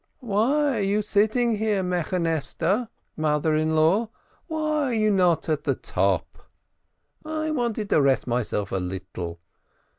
"Why are you sitting here, Mechuteneste ? Why are you not at the top ?" "I wanted to rest myself a little."